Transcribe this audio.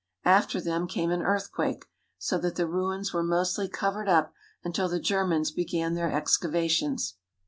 After them came an earthquake, so that the ruins were mostly covered up until the Ger mans began their excavations.